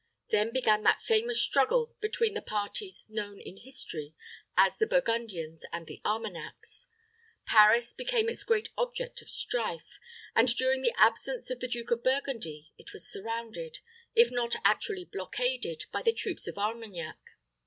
Then began that famous struggle between the parties known in history as the Burgundians and Armagnacs. Paris became its great object of strife, and, during the absence of the Duke of Burgundy, it was surrounded, if not actually blockaded by the troops of Armagnac.